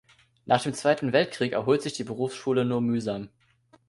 Nach dem Zweiten Weltkrieg erholt sich die Berufsschule nur mühsam.